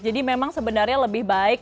memang sebenarnya lebih baik